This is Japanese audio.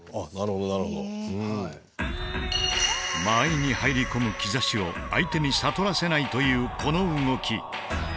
間合いに入り込む兆しを相手に悟らせないというこの動き。